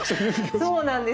そうなんですよ。